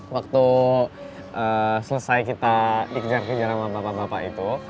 waktu selesai kita dikejar kejar sama bapak bapak itu